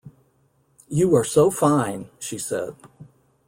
“You are so fine!” she said.